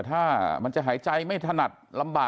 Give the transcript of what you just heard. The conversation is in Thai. ถ้ายังไม่ได้ฉีดวัคซีนสำคัญหรือไม่นะคะ